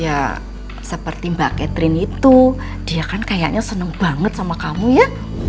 ya seperti mbak catherine itu dia kan kayaknya seneng banget sama kamu ya